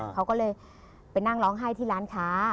เขาก็เลยไปนั่งร้องไห้ที่ร้านค้า